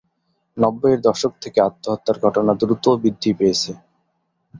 নব্বইয়ের দশক থেকে আত্মহত্যার ঘটনা দ্রুত বৃদ্ধি পেয়েছে।